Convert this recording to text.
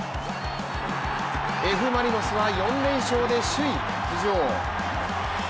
Ｆ・マリノスは４連勝で首位浮上。